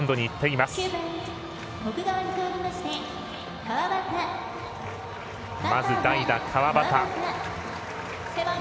まず代打、川端。